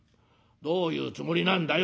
どういうつもりなんだよ」。